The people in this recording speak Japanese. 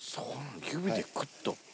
指でクッと。